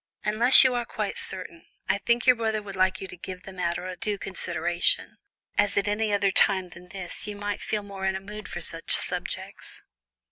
Unless you are quite certain, I think your brother would like you to give the matter due consideration, as at any other time than this you might feel more in a mood for such subjects."